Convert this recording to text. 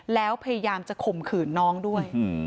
แล้วพยายามจะข่มขืนน้องด้วย